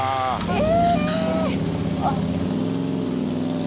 え！？